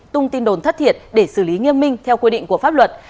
tung tin đồn thất thiệt để xử lý nghiêm minh theo quy định của pháp luật